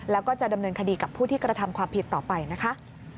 แล้วก็จะดำเนินคดีกับผู้ที่กระทำความผิดต่อไปนะคะ